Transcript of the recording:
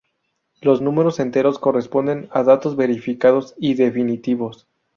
Los números enteros corresponden a datos verificados y definitivos.